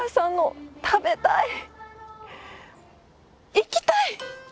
行きたい！